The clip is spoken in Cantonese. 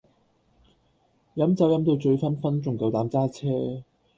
飲酒飲到醉醺醺仲夠膽揸車